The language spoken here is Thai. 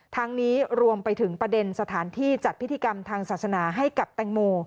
ทั้งนี้รวมไปถึงประเด็นสถานที่จัดพิธีกรรมทางศาสนาให้กับแตงโม